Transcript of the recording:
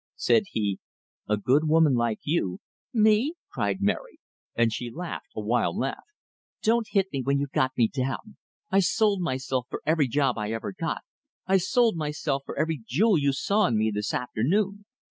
Said he: "A good woman like you " "Me?" cried Mary. And she laughed, a wild laugh. "Don't hit me when you've got me down! I've sold myself for every job I ever got; I sold myself for every jewel you saw on me this afternoon.